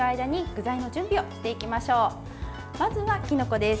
まずは、きのこです。